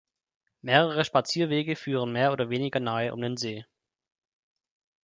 Mehrere Spazierwege führen mehr oder weniger nahe um den See.